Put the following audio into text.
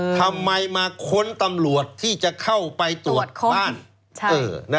ทำไมมาค้นตำรวจที่จะเข้าไปตรวจบ้าน